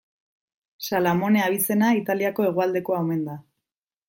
Salamone abizena Italiako hegoaldekoa omen da.